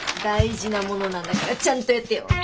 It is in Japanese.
大事なものなんだからちゃんとやってよ。